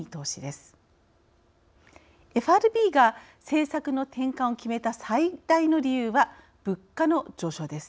ＦＲＢが政策の転換を決めた最大の理由は物価の上昇です。